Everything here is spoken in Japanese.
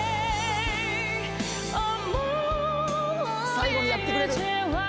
最後にやってくれる。